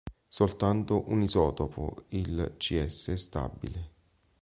Soltanto un isotopo, il Cs, è stabile.